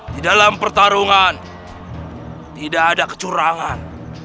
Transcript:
di dalam pertarungan tidak ada kecurangan